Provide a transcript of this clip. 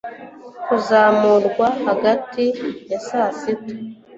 kuzamurwa hagati ya saa sita